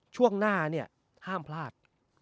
ช่วงหน้าเนี่ยห้ามพลาด